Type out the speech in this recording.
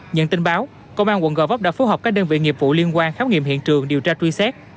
nhận tin báo công an quận gò vấp đã phối hợp các đơn vị nghiệp vụ liên quan khám nghiệm hiện trường điều tra truy xét